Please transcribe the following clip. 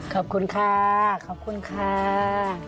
ขอบคุณค่ะขอบคุณค่ะ